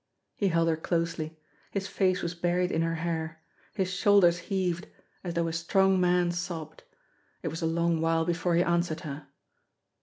He held her closely. His face was buried in her hair. His shoulders heaved as though a strong man sobbed. It was a long while before he answered her.